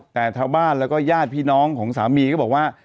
แต่ชาวบ้านแล้วก็ญาติพี่น้องของสามีก็บอกว่า